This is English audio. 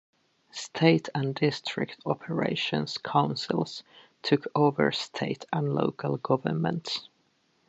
State and District Operations Councils took over state and local governments.